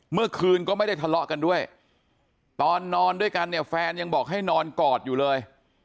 เมื่อคืนก็ไม่ได้ทะเลาะกันด้วยตอนนอนด้วยกันเนี่ยแฟนยังบอกให้นอนกอดอยู่เลย